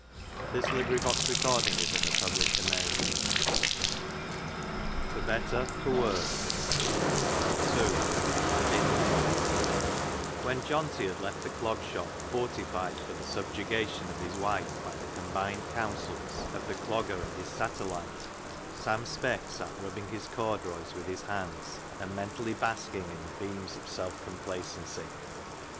12 For Better, for Worse II The Denouement 179 For Better, for Worse II The Denouement When Johnty had left the Clog Shop fortified for the subjugation of his wife by the com bined counsels of the Clogger and his satellite, Sam Speck sat rubbing his corduroys with his hands, and mentally basking in the beams of self complacency.